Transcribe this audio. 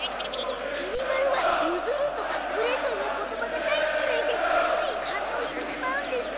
きり丸は「ゆずる」とか「くれ」という言葉が大きらいでつい反応してしまうんです。